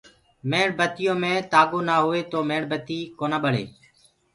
ميڻ بتيو مينٚ تآگو نآ هوئي تو ميڻ بتي ڪونآ ٻݪي۔